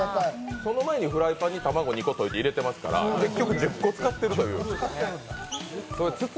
この前にフライパンに卵２個入れてといてますから、結局１０個使ってるという。